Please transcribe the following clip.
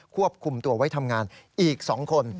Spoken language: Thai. ควบคุมตัวไว้ทำงานอีก๒คน